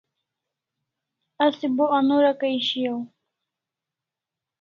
Asi bo anora Kai shiau